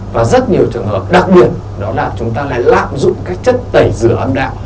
và rất nhiều trường hợp đặc biệt đó là chúng ta lại lạm dụng các chất tẩy rửa âm đạo